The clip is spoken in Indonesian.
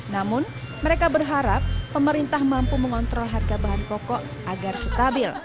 namun mereka berharap pemerintah mampu mengontrol harga bahan pokok agar stabil